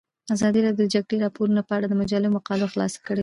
ازادي راډیو د د جګړې راپورونه په اړه د مجلو مقالو خلاصه کړې.